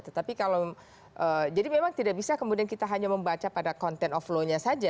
tetapi kalau jadi memang tidak bisa kemudian kita hanya membaca pada konten of law nya saja